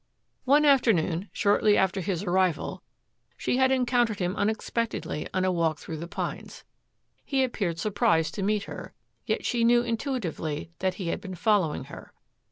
One afternoon, shortly after his arrival, she had encountered him unexpectedly on a walk through the pines. He appeared surprised to meet her, yet she knew intuitively that he had been following her.